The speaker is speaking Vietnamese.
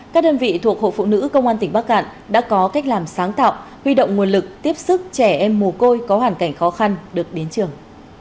các đơn vị thuộc hội phụ nữ công an tỉnh bắc cạn đã có cách làm sáng tạo huy động nguồn lực tiếp sức trẻ em mù côi có hoàn cảnh khó khăn được đến trường